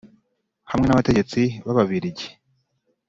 Hamwe n abategetsi b ababirigi